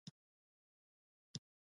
د هر نفرون په سر کې بومن کپسول ځای لري.